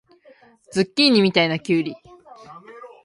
ズッキーニみたいなきゅうり